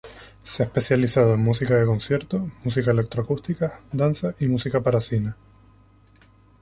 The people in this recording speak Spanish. Se ha especializado en música de concierto, música electroacústica, danza y música para cine.